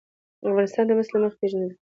افغانستان د مس له مخې پېژندل کېږي.